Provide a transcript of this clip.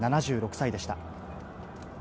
７６歳でした。